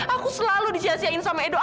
aku selalu disiasiakan sama edo ana